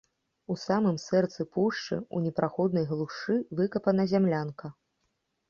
У самым сэрцы пушчы, у непраходнай глушы выкапана зямлянка.